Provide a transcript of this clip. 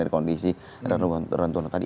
dari kondisi rentur rentur tadi